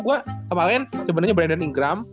gue sama lain sebenernya brandon ingram